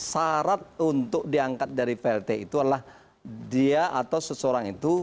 syarat untuk diangkat dari plt itu adalah dia atau seseorang itu